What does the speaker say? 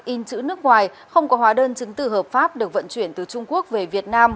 in chữ nước ngoài không có hóa đơn chứng từ hợp pháp được vận chuyển từ trung quốc về việt nam